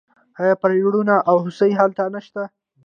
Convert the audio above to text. آیا پریړونه او هوسۍ هلته نشته؟